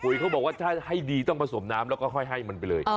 เขาบอกว่าถ้าให้ดีต้องผสมน้ำแล้วก็ค่อยให้มันไปเลย